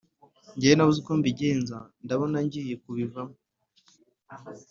ngewe nabuze uko mbigenza ndabona ngiye kubivamo